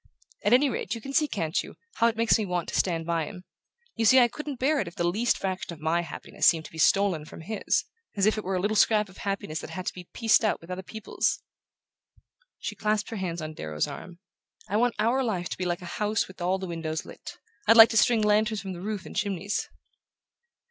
At any rate, you can see, can't you, how it makes me want to stand by him? You see, I couldn't bear it if the least fraction of my happiness seemed to be stolen from his as if it were a little scrap of happiness that had to be pieced out with other people's!" She clasped her hands on Darrow's arm. "I want our life to be like a house with all the windows lit: I'd like to string lanterns from the roof and chimneys!"